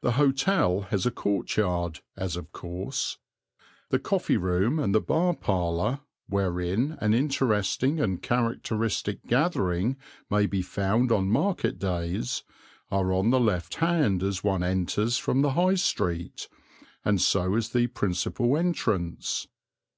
The hotel has a courtyard, as of course. The coffee room and the bar parlour, wherein an interesting and characteristic gathering may be found on market days, are on the left hand as one enters from the High Street, and so is the principal entrance.